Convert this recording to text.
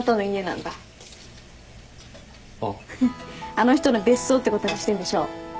あの人の別荘ってことにしてんでしょ？